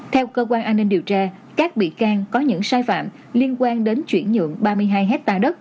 theo cơ quan an ninh điều tra các bị can có những sai phạm liên quan đến chuyển nhượng ba mươi hai hectare đất